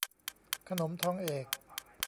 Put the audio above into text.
ขนมทองเอก